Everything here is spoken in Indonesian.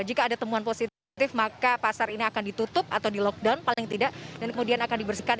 ini akan ditutup atau di lockdown paling tidak dan kemudian akan dibersihkan